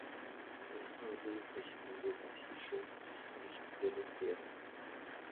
Lassen Sie sich von diesen T-Shirts nicht irritieren.